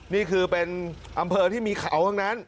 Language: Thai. นี่คือเป็นอำเภอที่มีเขาทั้งนั้น